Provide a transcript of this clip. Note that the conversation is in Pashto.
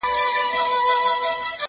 هغه څوک چي پوښتنه کوي پوهه اخلي؟